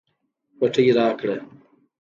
پټۍ راکړه